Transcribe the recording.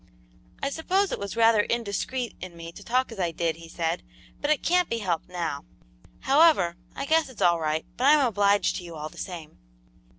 "I suppose it was rather indiscreet in me to talk as I did," he said, "but it can't be helped now. However, I guess it's all right, but I'm obliged to you all the same."